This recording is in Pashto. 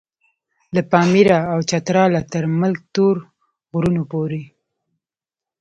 له پاميره او چتراله تر ملک تور غرونو پورې.